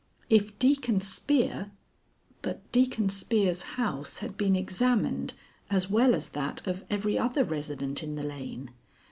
If Deacon Spear But Deacon Spear's house had been examined as well as that of every other resident in the lane.